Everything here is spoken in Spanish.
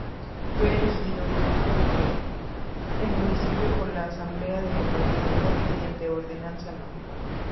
Fue erigido en municipio por la Asamblea del Departamento, mediante Ordenanza No.